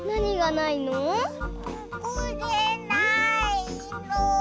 これないの。